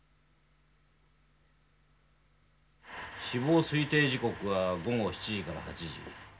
死亡推定時刻は午後７時から８時。